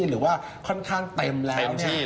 หรือว่าค่อนข้างเต็มแล้ว